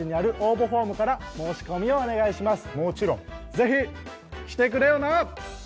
ぜひ来てくれよな！